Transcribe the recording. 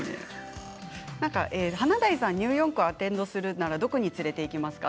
華大さんをニューヨークでアテンドするならどこに連れて行きますか？